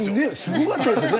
すごかったですよね。